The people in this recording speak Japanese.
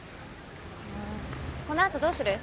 この後どうする？